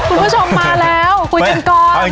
คุณผู้ชมมาแล้วคุยกันก่อน